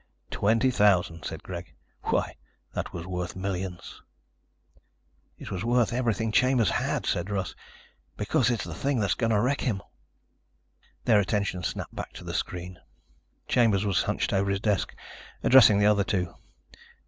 "Twenty thousand," said Greg. "Why, that was worth millions." "It was worth everything Chambers had," said Russ, "because it's the thing that's going to wreck him." Their attention snapped back to the screen. Chambers was hunched over his desk, addressing the other two.